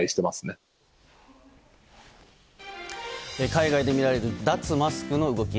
海外で見られる脱マスクの動き。